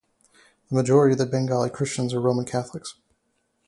The majority of Bengali Christians are Roman Catholics.